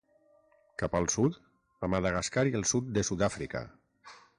Cap al sud, a Madagascar i el sud de Sud-àfrica.